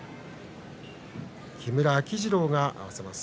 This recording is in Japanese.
木村秋治郎が合わせます。